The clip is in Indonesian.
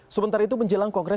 sebentar itu menjelang kongres